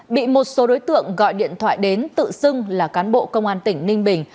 bị một số đối tượng gọi điện thoại đến tự xưng là cán bộ công an tỉnh ninh bình